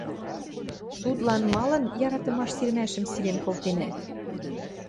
Судлан малын яратымаш сирмӓшӹм сирен колтенӓт?